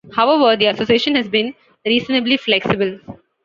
However, the association has been reasonably flexible.